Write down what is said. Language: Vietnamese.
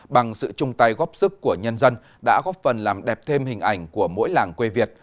bằng sự chung tay góp sức của nhân dân đã góp phần làm đẹp thêm hình ảnh của mỗi làng quê việt